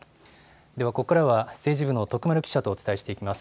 ではここからは政治部の徳丸記者とお伝えしていきます。